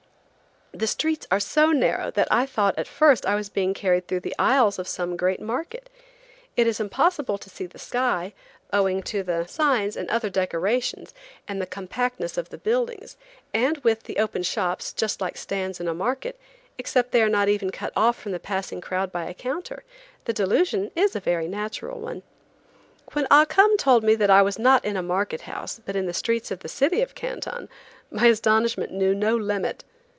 The streets are so narrow that I thought at first I was being carried through the aisles of some great market. It is impossible to see the sky, owing to the signs and other decorations, and the compactness of the buildings; and with the open shops, just like stands in a market, except that they are not even cut off from the passing crowd by a counter, the delusion is a very natural one. When Ah Cum told me that I was not in a market house, but in the streets of the city of Canton, my astonishment knew no limit.